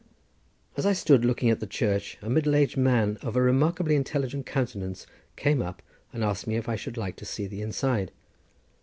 As I stood looking at the church a middle aged man of a remarkably intelligent countenance came up and asked me if I should like to see the inside.